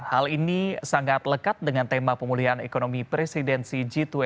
hal ini sangat lekat dengan tema pemulihan ekonomi presidensi g dua puluh